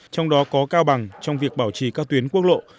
trong đó có cao bằng trong việc bảo trì các tuyến quốc lộ